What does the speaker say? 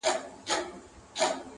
هم ښکنځلي پکښي وسوې هم جنګونه!.